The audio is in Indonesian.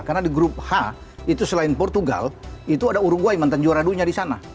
karena di grup h itu selain portugal itu ada uruguay mantan juara dunia di sana